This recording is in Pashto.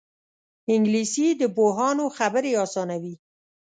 انګلیسي د پوهانو خبرې اسانوي